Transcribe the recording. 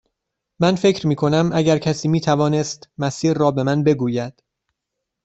من فکر می کنم اگر کسی می توانست مسیر را به من بگوید.